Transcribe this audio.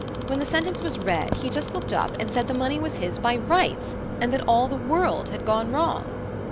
When the sentence was read, he just looked up, and said the money was his by rights, and that all the world had gone wrong.